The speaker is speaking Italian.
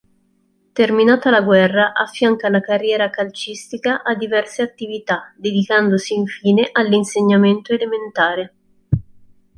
Terminata la guerra, affianca la carriera calcistica a diverse attività, dedicandosi infine all'insegnamento elementare.